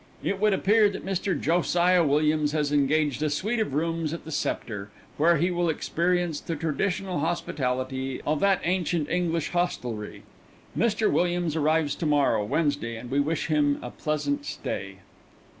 "It would appear that Mr. Josiah Williams has engaged a suite of rooms at the Sceptre, where he will experience the traditional hospitality of that ancient English hostelry. "Mr. Williams arrives to morrow, Wednesday, and we wish him a pleasant stay."